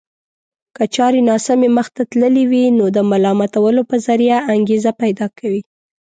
که چارې ناسمې مخته تللې وي نو د ملامتولو په ذريعه انګېزه پيدا کوي.